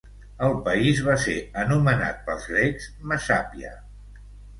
El país va ser anomenat pels grecs Messàpia.